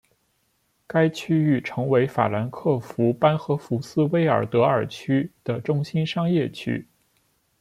该区域成为法兰克福班荷福斯威尔德尔区的中心商业区。